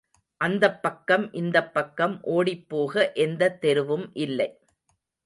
அந்தப் பக்கம், இந்தப் பக்கம் ஓடிப் போக எந்தத் தெருவும் இல்லை.